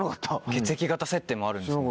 血液型設定もあるんですね。